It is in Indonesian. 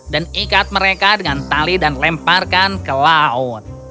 dan ikat mereka dengan tali dan lemparkan ke laut